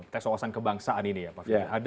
tes wawasan kebangsaan ini ya pak ferdi